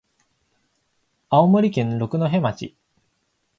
青森県六戸町